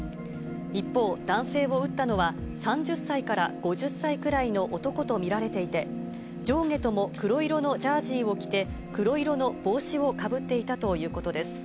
一方、男性を撃ったのは、３０歳から５０歳くらいの男と見られていて、上下とも黒色のジャージを着て、黒色の帽子をかぶっていたということです。